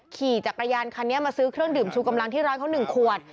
ขี่จักรยานคันนี้มาซื้อเครื่องดื่มชูกำลังที่ร้านเขา๑ขวด